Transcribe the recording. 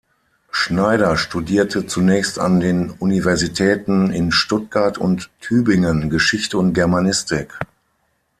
Schneider studierte zunächst an den Universitäten in Stuttgart und Tübingen Geschichte und Germanistik.